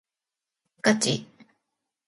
ガチ？